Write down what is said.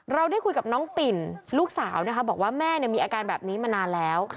เราได้คุยกับน้องปิ่นลูกสาวนะคะบอกว่าแม่มีอาการแบบนี้มานานแล้ว